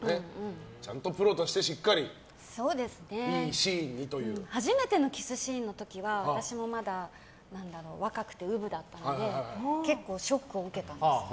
ちゃんとプロとしてしっかり初めてのキスシーンの時は私もまだ若くて、うぶだったので結構ショックを受けたんです。